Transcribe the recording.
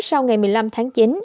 sau ngày một mươi năm tháng chín